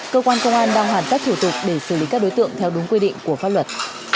cơ quan công an đang hoàn tất thủ tục để xử lý các đối tượng theo đúng quy định của pháp luật